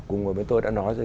cùng với tôi đã nói rồi